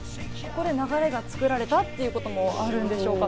ここで流れが作られたということもあるんでしょうか。